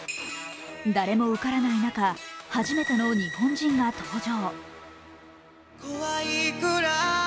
誰も受からない中、初めての日本人が登場。